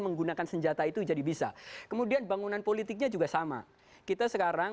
menggunakan senjata itu jadi bisa kemudian bangunan politiknya juga sama kita sekarang